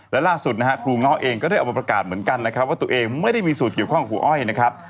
และล่าสุดนะฮะครูเงาะเองก็ได้ออกมาประกาศเหมือนกันนะครับว่าตัวเองไม่ได้มีส่วนเกี่ยวข้องครูอ้อยนะครับ